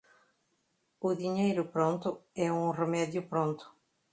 O dinheiro pronto é um remédio pronto.